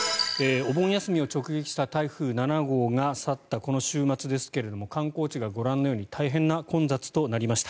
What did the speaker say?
お盆休みを直撃した台風７号が去ったこの週末ですが観光地がご覧のように大変な混雑となりました。